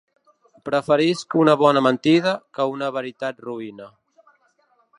Preferisc una bona mentida que una veritat roïna.